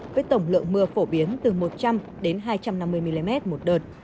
với tổng lượng mưa phổ biến từ một trăm linh đến hai trăm năm mươi mm một đợt